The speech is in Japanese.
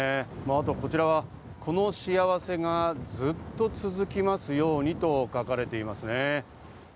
こちらは、この幸せがずっと続きますようにと書かれています。